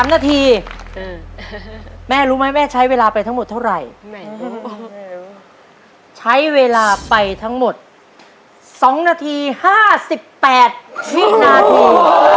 ๓นาทีแม่รู้ไหมแม่ใช้เวลาไปทั้งหมดเท่าไหร่ใช้เวลาไปทั้งหมด๒นาที๕๘วินาที